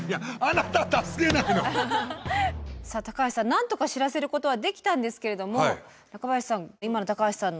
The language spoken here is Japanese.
なんとか知らせることはできたんですけれども中林さん